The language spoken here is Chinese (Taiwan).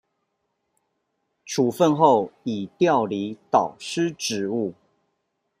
處分後已調離導師職務